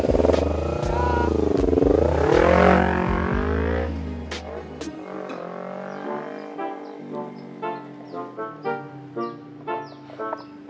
thank you kak